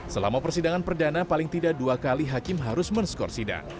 selama persidangan perdana paling tidak dua kali hakim harus menskor sidang